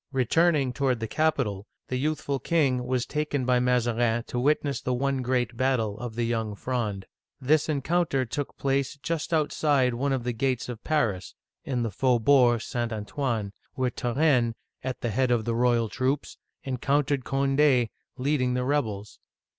Returning toward the capital, the youthful king was taken by Mazarin to witness the one great battle of the Young Fronde. This encounter took place just outside one of the gates of Paris (in the Faubourg St. Antoine), where Turenne, at the head of the royal troops, encountered Cond6, lead ing the rebels.